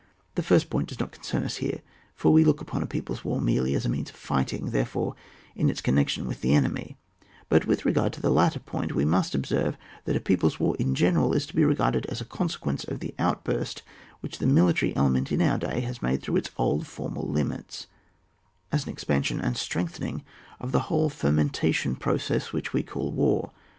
The first point does not concern us here, for we look upon a peo ple's war merely as a means of fighting, therefore, in its connection with the enemy; but with regard to the latter point, we must observe that a people's war in general is to be regarded as a conse quence of the outburst which the military element in our day has made through its old formal limits ; as an expansion and strengthening of the whole fermentation process which we call war.